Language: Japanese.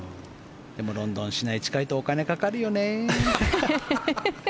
でも、ロンドン市内近いとお金かかるよね。